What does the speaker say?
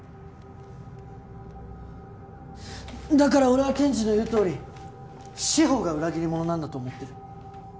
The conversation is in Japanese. だから俺は天智の言うとおり志法が裏切り者なんだと思ってる。